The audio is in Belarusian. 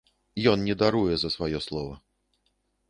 Ён не даруе за сваё слова.